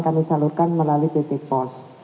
kami salurkan melalui pt pos